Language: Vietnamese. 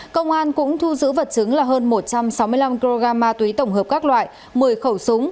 công an cũng thu giữ vật chứng là hơn một trăm sáu mươi năm kg ma túy tổng hợp các loại một mươi khẩu súng